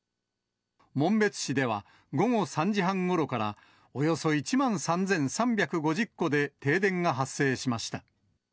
紋別市では、午後３時半ごろから、およそ１万３３５０戸で停電が発生しました。